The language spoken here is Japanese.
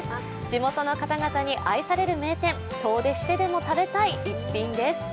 地元の方々に愛される名店、遠出してでも食べたい一品です。